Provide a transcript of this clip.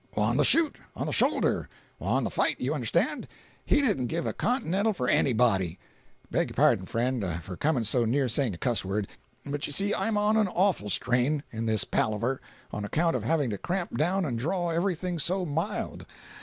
"On the shoot. On the shoulder. On the fight, you understand. He didn't give a continental for anybody. Beg your pardon, friend, for coming so near saying a cuss word—but you see I'm on an awful strain, in this palaver, on account of having to cramp down and draw everything so mild.